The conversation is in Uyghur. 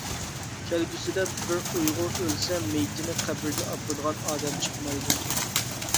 كەلگۈسىدە بىر ئۇيغۇر ئۆلسە مېيىتىنى قەبرىگە ئاپىرىدىغان ئادەم چىقمايدۇ!